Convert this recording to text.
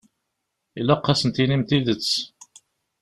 Ilaq ad asen-tinim tidet.